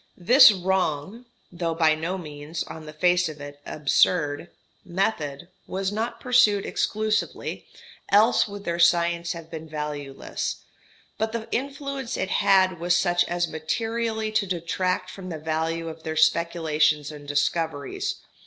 This wrong (though by no means, on the face of it, absurd) method was not pursued exclusively, else would their science have been valueless, but the influence it had was such as materially to detract from the value of their speculations and discoveries.